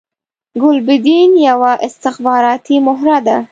ګلبدین یوه استخباراتی مهره ده